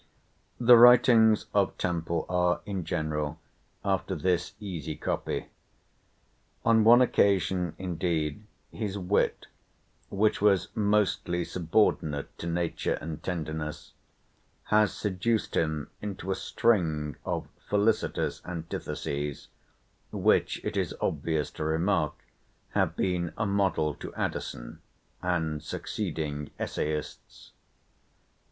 The writings of Temple are, in general, after this easy copy. On one occasion, indeed, his wit, which was mostly subordinate to nature and tenderness, has seduced him into a string of felicitous antitheses; which, it is obvious to remark, have been a model to Addison and succeeding essayists.